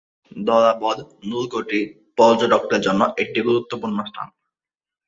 দরাবড় দুর্গটি পর্যটকদের জন্য একটি গুরুত্বপূর্ণ স্থান।